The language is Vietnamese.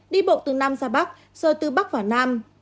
đi bộ từ nam ra bắc giờ từ bắc vào nam